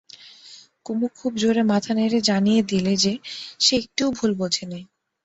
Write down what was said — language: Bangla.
কুমু খুব জোরে মাথা নেড়ে জানিয়ে দিলে যে, সে একটুও ভুল বোঝে নি।